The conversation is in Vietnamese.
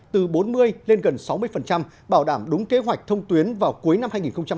từ bốn mươi lên gần sáu mươi bảo đảm đúng kế hoạch thông tuyến vào cuối năm hai nghìn hai mươi